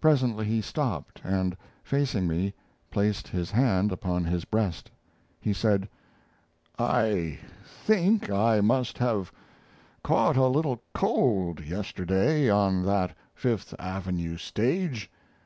Presently he stopped and, facing me, placed his hand upon his breast. He said: "I think I must have caught a little cold yesterday on that Fifth Avenue stage.